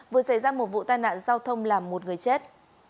vừa xảy ra một vụ tai nạn giao thông làm một người chết